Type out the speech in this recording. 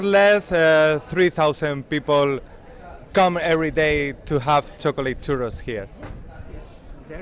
lebih kurang tiga orang datang setiap hari untuk memiliki churros coklat di sini